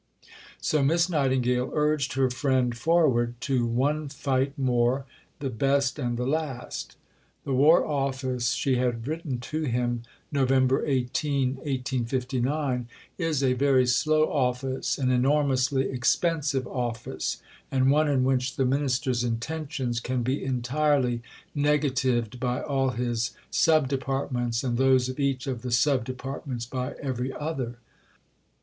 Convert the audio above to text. So Miss Nightingale urged her friend forward to "one fight more, the best and the last." The War Office, she had written to him (Nov. 18, 1859), "is a very slow office, an enormously expensive office, and one in which the Minister's intentions can be entirely negatived by all his sub departments and those of each of the sub departments by every other."